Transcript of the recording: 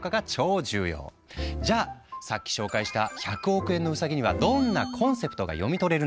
じゃあさっき紹介した１００億円のウサギにはどんなコンセプトが読み取れるのか。